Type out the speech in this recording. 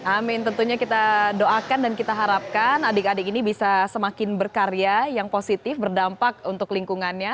amin tentunya kita doakan dan kita harapkan adik adik ini bisa semakin berkarya yang positif berdampak untuk lingkungannya